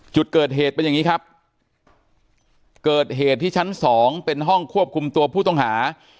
จุดเกิดเหตุเป็นอย่างนี้ครับเกิดเหตุที่ชั้นสองเป็นห้องควบคุมตัวผู้ต้องหา